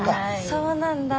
そうなんだ。